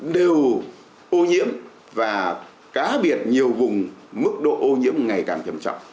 đều ô nhiễm và cá biệt nhiều vùng mức độ ô nhiễm ngày càng trầm trọng